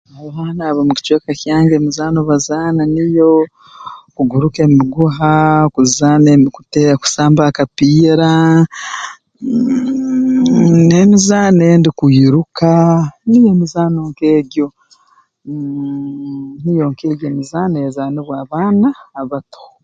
Abaana ab'omu kicweka kyange emizaano bazaana niyo kuguruka emiguha kuzaana kute kusamba akapiira mmmh n'emizaano endi kwiruka niyo emizaano nk'egi mmh niyo nk'egi emizaano ezaanibwa abaana abato